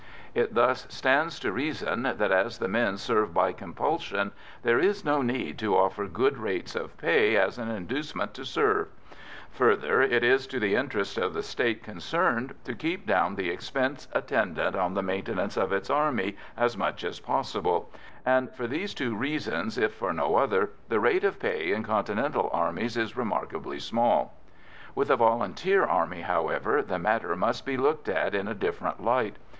It thus stands to reason that, as the men serve by compulsion, there is no need to offer good rates of pay as an inducement to serve; further, it is to the interest of the State concerned to keep down the expense attendant on the maintenance of its army as much as possible, and for these two reasons, if for no other, the rate of pay in Continental armies is remarkably small. With a volunteer army, however, the matter must be looked at in a different light.